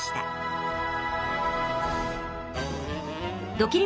ドキリ★